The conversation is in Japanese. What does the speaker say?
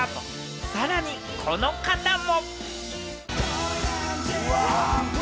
さらに、この方も。